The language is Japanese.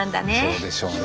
そうでしょうね。